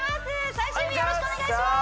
最終日よろしくお願いします